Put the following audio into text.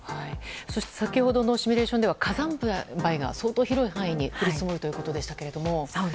そして、先ほどのシミュレーションでは火山灰が相当広い範囲に降り積もるということでしたが。